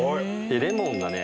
レモンがね